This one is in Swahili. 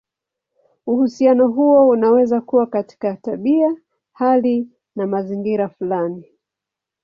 Uhusiano huo unaweza kuwa katika tabia, hali, au mazingira fulani.